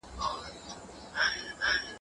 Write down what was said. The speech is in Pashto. که جاذبه نه وای زموږ د زمکې